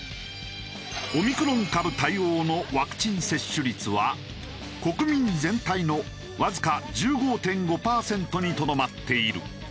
オミクロン株対応のワクチン接種率は国民全体のわずか１５．５パーセントにとどまっている。